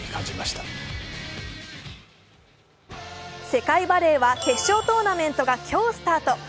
世界バレーは決勝トーナメントが今日スタート。